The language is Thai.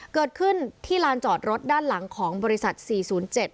เกิดขึ้นที่ลานจอดรถด้านหลังของบริษัทสี่ศูนย์เจ็ด